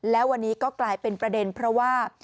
แล้ววันนี้ก็กลายเป็นประเด็นเพราะว่า